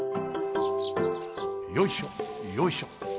よいしょよいしょ。